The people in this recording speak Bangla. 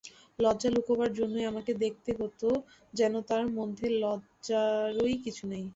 লজ্জা লুকোবার জন্যেই আমাকে দেখাতে হত যেন এর মধ্যে লজ্জার কিছুই নেই।